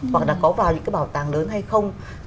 hoặc là có vào những cái bảo tàng lớn hay không